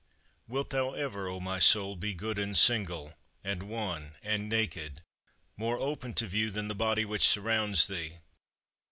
Wilt thou ever, O my soul, be good and single, and one, and naked, more open to view than the body which surrounds thee?